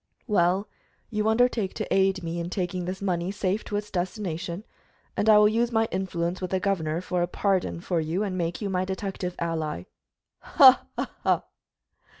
"Well, you undertake to aid me in taking this money safe to its destination, and I will use my influence with the governor for a pardon for you and make you my detective ally." "Ha! ha! ha!"